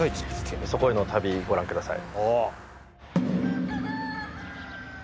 そこへの旅ご覧ください